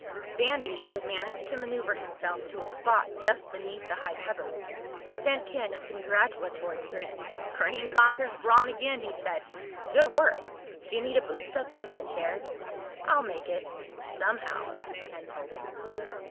Sandy, who had managed to maneuver himself to a spot just beneath the high cupboards, sent Ken a congratulatory grin. "Brain conquers brawn again," he said. "Good work. Do you need a boost up onto the chair?" "I'll make it—somehow," Ken told him.